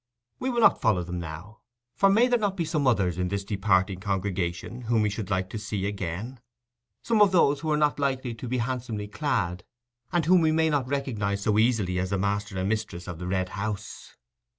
We will not follow them now; for may there not be some others in this departing congregation whom we should like to see again—some of those who are not likely to be handsomely clad, and whom we may not recognize so easily as the master and mistress of the Red House?